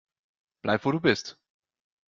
Bleib, wo du bist!